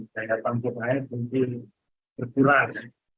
daya pantun air mungkin berkurang